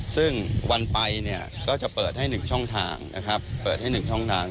ซึ่งวันไปเนี่ยก็จะเปิดให้๑ช่องทางนะครับเปิดให้๑ช่องทาง